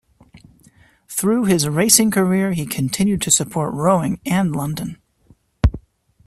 Through his racing career he continued to support rowing and London.